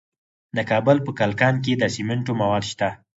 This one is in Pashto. د کابل په کلکان کې د سمنټو مواد شته.